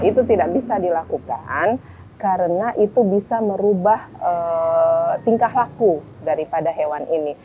itu tidak bisa dilakukan karena itu bisa merubah tingkah laku daripada hewan ini